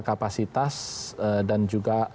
kapasitas dan juga